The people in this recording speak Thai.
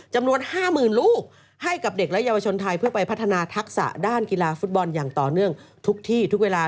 จำนวน๕๐๐๐ลูกให้กับเด็กและเยาวชนไทยเพื่อไปพัฒนาทักษะด้านกีฬาฟุตบอลอย่างต่อเนื่องทุกที่ทุกเวลา